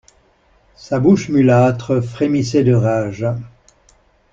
Sa bouche mulâtre frémissait de rage.